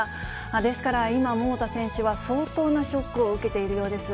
ですから、今、桃田選手は相当なショックを受けているようです。